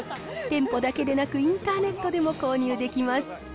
店舗だけでなく、インターネットでも購入できます。